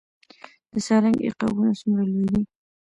د سالنګ عقابونه څومره لوی دي؟